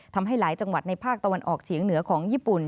ทำให้หลายจังหวัดในภาคตะวันออกเฉียงเหนือของญี่ปุ่น